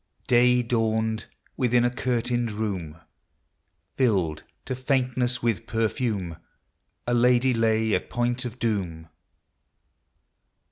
Day dawned ;— within a curtained room, Filled to faintness with perfume, A lady lay at point of doom.